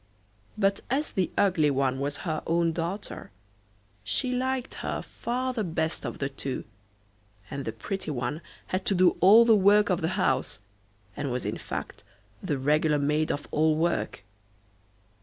But as the ugly one was her own daughter, she liked her far the best of the two, and the pretty one had to do all the work of the house, and was in fact the regular maid of all work.